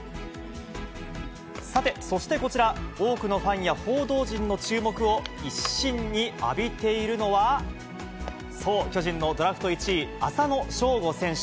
さて、そしてこちら、多くのファンや報道陣の注目を一身に浴びているのは、そう、巨人のドラフト１位、浅野翔吾選手。